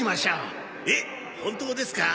えっ本当ですか？